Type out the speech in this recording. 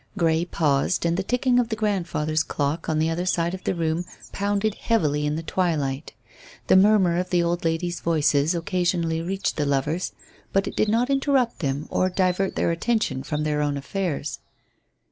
Grey paused, and the ticking of the grandfather's clock on the other side of the room pounded heavily in the twilight The murmur of the old ladies' voices occasionally reached the lovers, but it did not interrupt them or divert their attention from their own affairs.